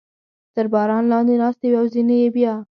تر باران لاندې ناستې وې او ځینې یې بیا.